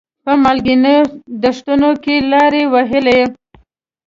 په مالګینو دښتونو کې لارې ووهلې.